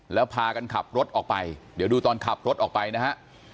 แล้วพากันขับรถออกไปเดี๋ยวดูตอนขับรถออกไปนะฮะ